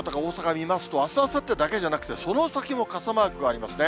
見ますと、あす、あさってだけじゃなくて、その先も傘マークがありますね。